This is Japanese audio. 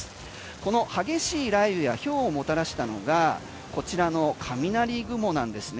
この激しい雷雨やひょうをもたらしたのがこちらの雷雲なんですね。